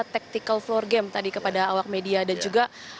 tactical floor game tadi kepada awak media dan juga